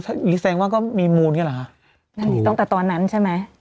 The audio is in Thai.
ถ้าอีกแสงว่าก็มีมูลอย่างนี้แหละค่ะนั่นตั้งแต่ตอนนั้นใช่ไหมอืม